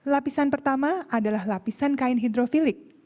lapisan pertama adalah lapisan kain hidrofilik